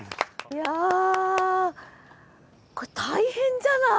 いやこれ大変じゃない？